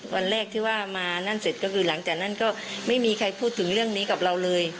วันแรกที่ว่ามานั่นเสร็จก็คือหลังจากนั้นก็ไม่มีใครพูดถึงเรื่องนี้กับเราเลย